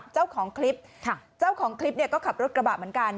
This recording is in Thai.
เจ้าของคลิปเจ้าของคลิปเนี่ยก็ขับรถกระบะเหมือนกัน